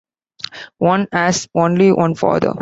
One has only one father.